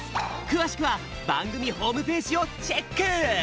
くわしくはばんぐみホームページをチェック！